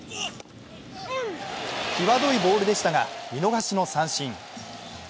際どいボールでしたが、見逃しの三振。